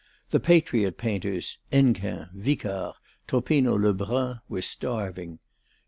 The patriot painters Hennequin, Wicar, Topino Lebrun were starving.